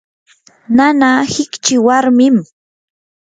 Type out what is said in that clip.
nanaa hiqchi warmim.